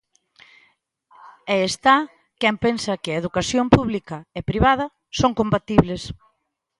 E está quen pensa que a educación pública e privada son compatibles.